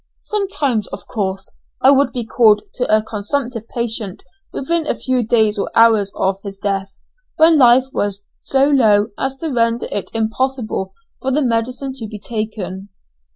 Sometimes, of course, I would be called to a consumptive patient within a few days or hours of his death, when life was so low as to render it impossible for the medicine to be taken."